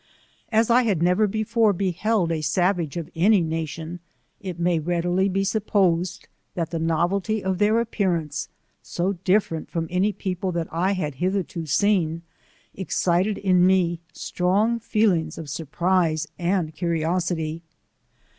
As I had never before beheld a savage of any nation, it may readily be supposed that the novelty of their C 3 22 appearance, so difTerent from any people that I had hitherto seen, excited in me strong feelings of surprize and curiosity.